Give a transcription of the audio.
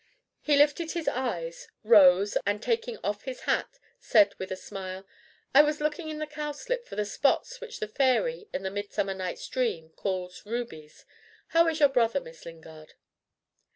He lifted his eyes, rose, and taking off his hat, said with a smile, "I was looking in the cowslip for the spots which the fairy, in the Midsummer Night's Dream, calls 'rubies.' How is your brother, Miss Lingard?"